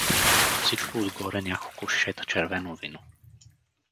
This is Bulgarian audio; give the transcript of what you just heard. На всичко отгоре няколко шишета червено вино.